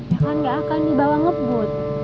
ya kan gak akan dibawa ngebut